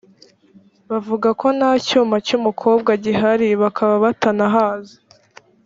abavuga ko nta cyumba cy’umukobwa gihari bakaba batanahazi